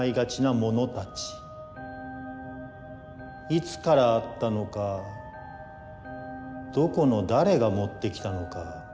いつからあったのかどこの誰が持ってきたのか。